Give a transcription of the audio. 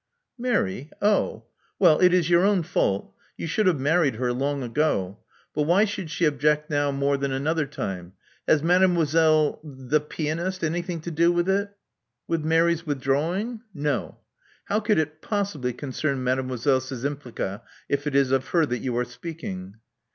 Mary! Oh! Well, it is your own fault: you should have married her long ago. But why should she object now more than another time? Has Made moiselle — the pianist — anything to do with it?" With Mary's withdrawing? No. How could it possibly concern Mademoiselle Szczympliga — ^if it is of her that you are speaking?"